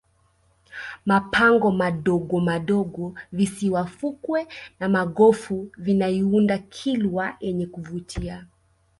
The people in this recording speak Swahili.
mapango madogomadogo visiwa fukwe na magofu vinaiunda kilwa yenye kuvutia